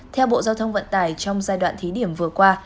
theo bộ giao thông vận tải trong giai đoạn thí điểm vừa qua